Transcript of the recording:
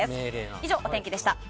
以上、お天気でした。